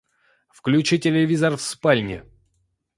Включи телевизор в спальне.